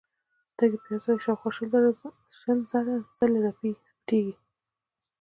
سترګې په یوه ساعت کې شاوخوا شل زره ځلې پټېږي.